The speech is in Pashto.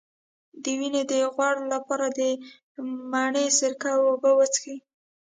د وینې د غوړ لپاره د مڼې سرکه او اوبه وڅښئ